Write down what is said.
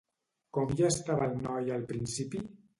Com hi estava el noi al principi?